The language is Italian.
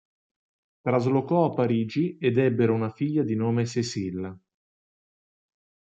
Traslocò a Parigi ed ebbero una figlia di nome Cécile.